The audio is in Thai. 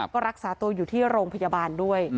ก็รักษาตัวอยู่ที่โรงพยาบาลด้วย